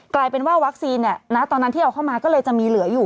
กลายเป็นว่าวัคซีนตอนนั้นที่เอาเข้ามาก็เลยจะมีเหลืออยู่